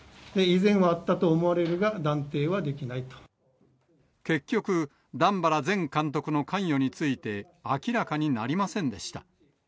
以前はあったと思われるが、結局、段原前監督の関与について、明らかになりませんでした。